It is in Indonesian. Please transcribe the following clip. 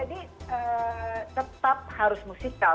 jadi tetap harus musikal